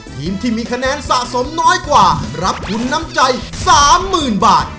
ทีมที่มีคะแนนสะสมน้อยกว่ารับทุนน้ำใจ๓๐๐๐บาท